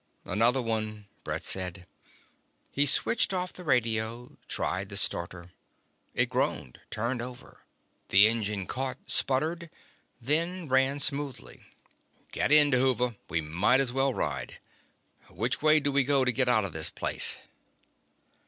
"Another one," Brett said. He switched off the radio, tried the starter. It groaned, turned over. The engine caught, sputtered, then ran smoothly. "Get in, Dhuva. We might as well ride. Which way do we go to get out of this place?"